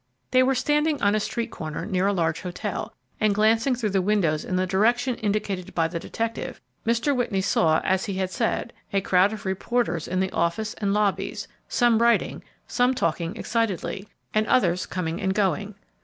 They were standing on a street corner, near a large hotel, and glancing through the windows in the direction indicated by the detective, Mr. Whitney saw, as he had said, a crowd of reporters in the office and lobbies, some writing, some talking excitedly, and others coming and going.